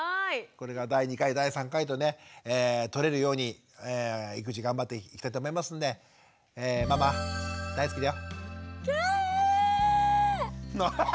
これから第２回第３回とね取れるように育児頑張っていきたいと思いますんでキャー！